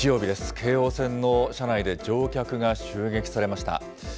京王線の車内で乗客が襲撃されました。